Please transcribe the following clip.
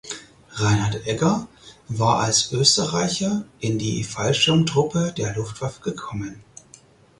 Reinhard Egger war als Österreicher in die Fallschirmtruppe der Luftwaffe gekommen.